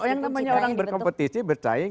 yang namanya orang berkompetisi bertahing